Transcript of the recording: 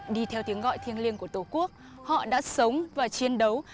đi theo tiếng gọi thiêng liêng của tổ quốc họ đã sống và chiến đấu